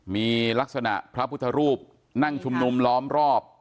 มีลักษณะพระพุทธรูปนั่งชุมนุมล้อมรอบ